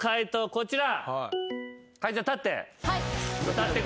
こちら。